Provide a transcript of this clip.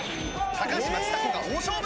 高嶋ちさ子が大勝負！